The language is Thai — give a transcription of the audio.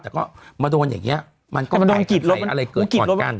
แต่ก็มาโดนอย่างนี้มันก็แผนกับใครอะไรเกิดก่อนกัน